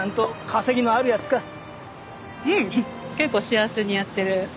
結構幸せにやってる。